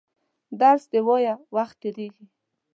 درس دي وایه وخت تېرېږي!